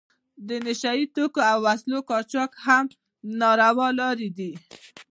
د نشه یي توکو او وسلو قاچاق هم ناروا لارې دي.